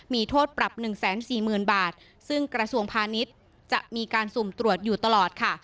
มีโทษปรับหนึ่งแสนสี่หมื่นบาทซึ่งกระทรวงพาณิชย์จะมีการสุ่มตรวจอยู่ตลอดค่ะ